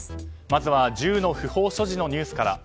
まず銃の不法所持のニュースから。